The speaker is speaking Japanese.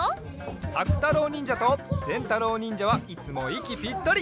さくたろうにんじゃとぜんたろうにんじゃはいつもいきぴったり！